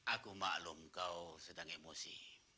aku maklum kau sedang emosi